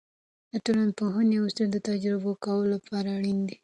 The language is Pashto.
د ټولنپوهنې اصول د تجزیه کولو لپاره اړین دي.